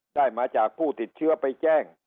ได้มาจากผู้ติดเชื้อไปแจ้ง